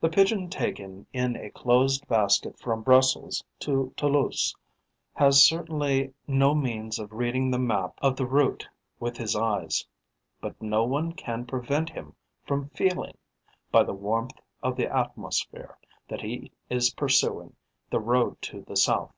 The Pigeon taken in a closed basket from Brussels to Toulouse has certainly no means of reading the map of the route with his eyes; but no one can prevent him from feeling, by the warmth of the atmosphere, that he is pursuing the road to the south.